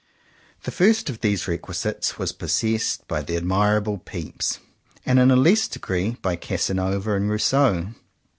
The first of these requisites was possessed by the admirable Pepys, and in a less degree by Casanova and Rousseau.